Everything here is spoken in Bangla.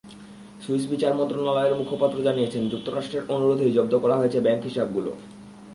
সুইস বিচার মন্ত্রণালয়ের মুখপাত্র জানিয়েছেন যুক্তরাষ্ট্রের অনুরোধেই জব্দ করা হয়েছে ব্যাংক হিসাবগুলো।